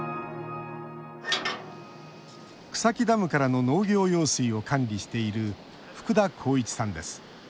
草木ダムからの農業用水を管理している福田浩一さんです。